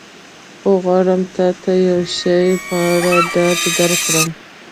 خو غواړم تا ته د یو شي په اړه ډاډ درکړم.